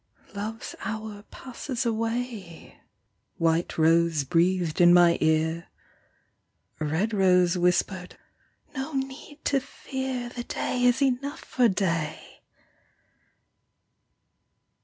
" Love's hour passes away," White rose breathed in my ear ; Red rose whispered No need to fear ; The day is enough for day."